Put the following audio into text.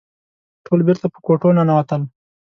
ټول بېرته په کوټو ننوتل.